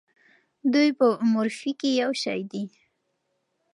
دوی په مورفي کې یو شی دي.